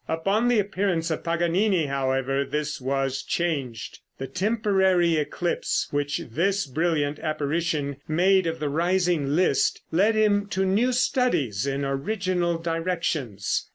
Upon the appearance of Paganini, however, this was changed. The temporary eclipse, which this brilliant apparition made of the rising Liszt, led him to new studies in original directions.